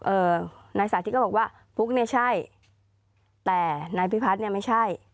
เอ่อนายสาธิตก็บอกว่าฟุ๊กเนี่ยใช่แต่นายพิพัฒน์เนี่ยไม่ใช่